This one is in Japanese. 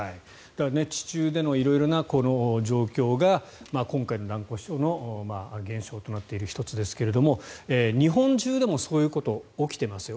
地中での色々な状況が今回の蘭越町の現象となっている１つですが日本中でもそういうことが起きてますよ